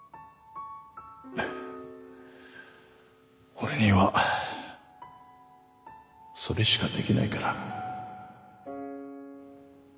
俺にはそれしかできないから。